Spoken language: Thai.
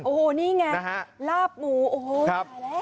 โอ้โหนี่ไงลาบหมูโอ้โหตายแล้ว